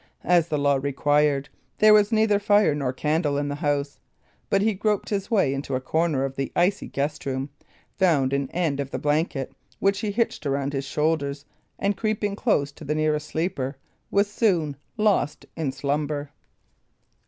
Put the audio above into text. As the law required, there was neither fire nor candle in the house; but he groped his way into a corner of the icy guest room, found an end of a blanket, which he hitched around his shoulders, and creeping close to the nearest sleeper, was soon lost in slumber.